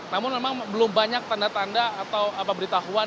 namun memang belum banyak tanda tanda atau pemberitahuan